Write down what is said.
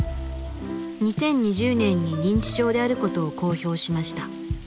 ２０２０年に認知症であることを公表しました。